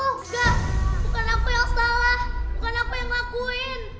enggak bukan aku yang salah bukan aku yang ngakuin